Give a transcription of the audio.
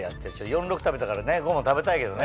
４６食べたから５も食べたいけどね。